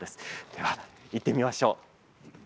では行ってみましょう。